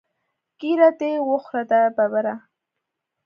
ږیره دې وخوره دا ببره.